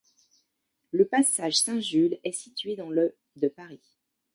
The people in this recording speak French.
Le passage Saint-Jules est situé dans le de Paris.